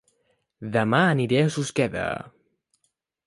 Dema aniré a Susqueda